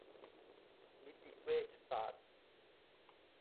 นิติเวชศาสตร์